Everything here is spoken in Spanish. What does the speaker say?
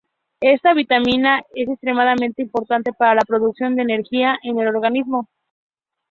Esta vitamina es extremadamente importante para la producción de energía en el organismo.